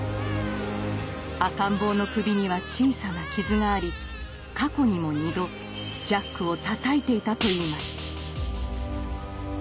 赤ん坊の首には小さな傷があり過去にも二度ジャックをたたいていたといいます。